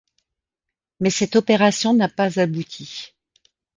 Mais cette opération n'a pas abouti.